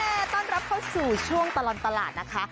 ต้อนรับเข้าสู่ช่วงตลอดตลาดนะคะ